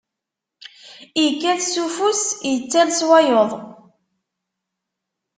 Ikkat s ufus, ittall s wayeḍ.